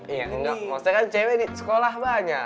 iya maksudnya kan cewek nih sekolah banyak